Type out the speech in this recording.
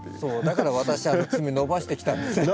だから私爪伸ばしてきたんですよ。